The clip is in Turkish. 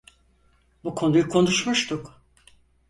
Bu konuyu konuşmuştuk.